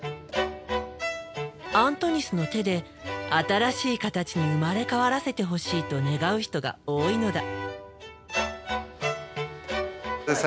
アントニスの手で新しい形に生まれ変わらせてほしいと願う人が多いのだ。